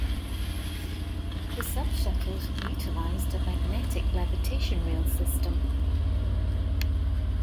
The Subshuttles utilized a magnetic levitation rail system.